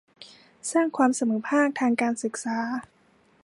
สร้างความเสมอภาคทางการศึกษา